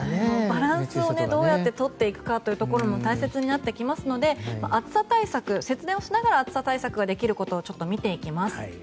バランスをどう取っていくかということも大切になってきますので節電をしながら暑さ対策ができることをちょっと見ていきます。